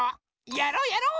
やろうやろう！